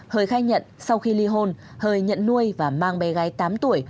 hời khai nhận sau khi ly hôn hời nhận nuôi và mang bé gái tám tuổi